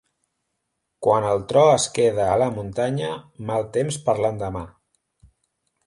Quan el tro es queda a la muntanya, mal temps per l'endemà.